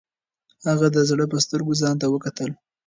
هغه د زړه په سترګو ځان ته وکتل.